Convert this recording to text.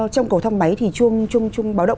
trong cầu thông máy thì chuông báo động